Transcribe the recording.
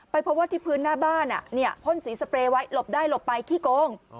เพราะว่าที่พื้นหน้าบ้านพ่นสีสเปรย์ไว้หลบได้หลบไปขี้โกง